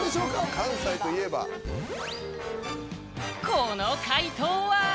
関西といえばこの快答は？